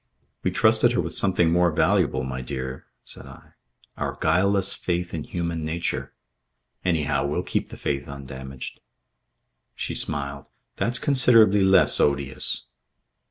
"We trusted her with something more valuable, my dear," said I. "Our guileless faith in human nature. Anyhow we'll keep the faith undamaged." She smiled. "That's considerably less odious."